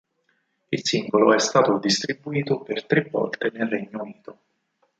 Il singolo è stato distribuito per tre volte nel Regno Unito.